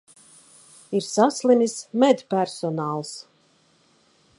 Ir saslimis medpersonāls.